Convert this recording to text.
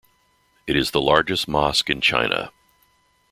It is the largest mosque in China.